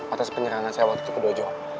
atas penyerangan saya waktu itu ke dojo